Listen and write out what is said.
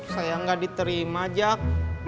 sayang gak diterima jak